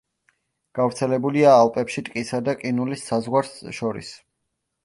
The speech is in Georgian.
გავრცელებულია ალპებში ტყისა და ყინულის საზღვარს შორის.